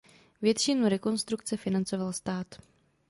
Většinu rekonstrukce financoval stát.